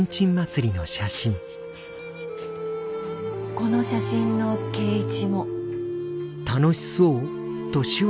この写真の圭一も。